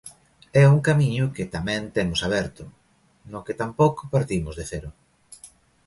É un camiño que tamén temos aberto, no que tampouco partimos de cero.